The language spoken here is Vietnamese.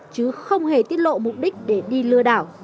chứ không hề tiết lộ mục đích để đi lừa đảo